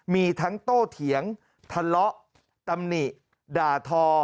มีทั้งโตเถียงทะเลาะตำหนิด่าทอ